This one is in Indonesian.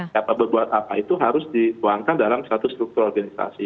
siapa berbuat apa itu harus dituangkan dalam satu struktur organisasi